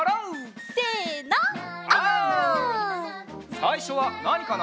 さいしょはなにかな？